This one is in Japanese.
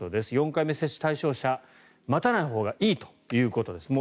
４回目接種対象者待たないほうがいいということです。